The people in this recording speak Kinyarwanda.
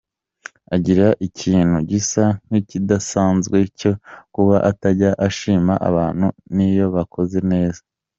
Agira ikintu gisa nk’ikidasanzwe cyo kuba atajya ashima abantu niyo bakoze neza.